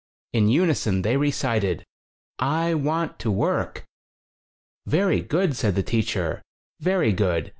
In unison they recited: "I vvant to work!" "Very good," said the teacher. "Very good.